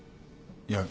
いや。